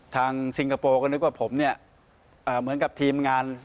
ซิงคโปร์ก็นึกว่าผมเนี่ยเหมือนกับทีมงาน